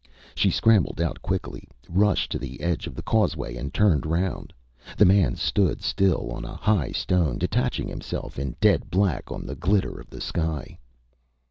She scrambled out quickly, rushed to the edge of the causeway, and turned round. The man stood still on a high stone, detaching himself in dead black on the glitter of the sky.